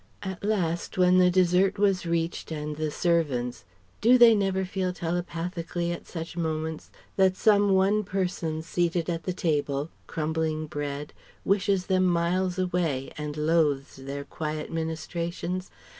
At last when the dessert was reached and the servants do they never feel telepathically at such moments that some one person seated at the table, crumbling bread, wishes them miles away and loathes their quiet ministrations?